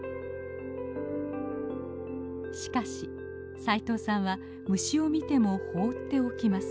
しかし斉藤さんは虫を見ても放っておきます。